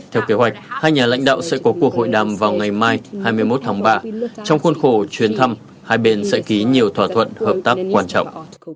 theo kế hoạch hai nhà lãnh đạo sẽ có cuộc hội đàm vào ngày mai hai mươi một tháng ba trong khuôn khổ chuyến thăm hai bên sẽ ký nhiều thỏa thuận hợp tác quan trọng